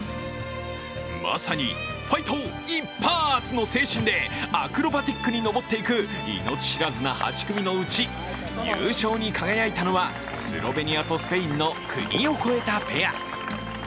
まさにファイト一発！の精神でアクロバティックに登っていく命知らずな８組のうち、優勝に輝いたのはスロベニアとスペインの国を超えたペア。